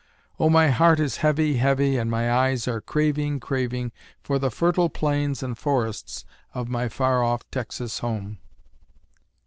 Oh, my heart is heavy, heavy, and my eyes are craving, craving For the fertile plains and forests of my far off Texas home.